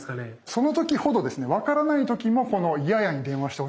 その時ほどですね分からない時もこの「イヤヤ」に電話してほしいんですよね。